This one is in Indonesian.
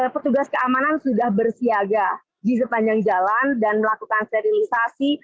petugas keamanan sudah bersiaga di sepanjang jalan dan melakukan sterilisasi